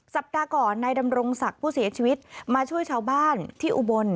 สัปดาห์ก่อนนายดำรงศักดิ์ผู้เสียชีวิตมาช่วยชาวบ้านที่อุบล